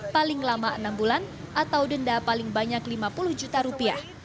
paling lama enam bulan atau denda paling banyak lima puluh juta rupiah